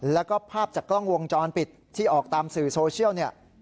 แล้วก็ภาพจากกล้องวงจรปิดที่ออกตามสื่อโซเชียลเนี่ย